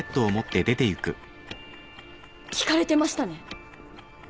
聞かれてましたね。